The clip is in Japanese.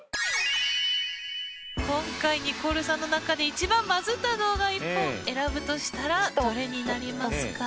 今回ニコルさんの中で一番バズった動画１本選ぶとしたらどれになりますか？